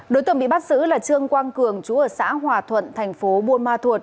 đối tượng bị bắt xứ là trương quang cường trú ở xã hòa thuận thành phố buôn ma thuột